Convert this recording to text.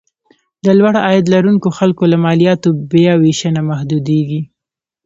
د لوړ عاید لرونکو خلکو له مالیاتو بیاوېشنه محدودېږي.